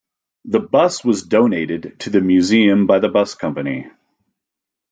The bus was donated to the museum by the bus company.